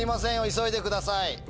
急いでください。